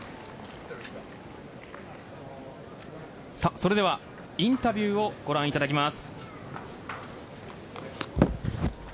それではインタビューをご覧いただきます。